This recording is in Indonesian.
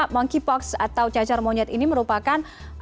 monkeypox atau cacar monyet ini merupakan